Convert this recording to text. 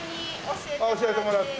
教えてもらって。